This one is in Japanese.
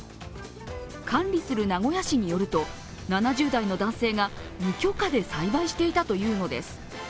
管理する名古屋市によると７０代の男性が無許可で栽培していたというのです。